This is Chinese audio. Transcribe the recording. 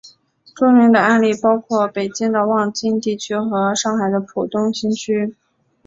著名的案例包括北京的望京地区和上海的浦东新区。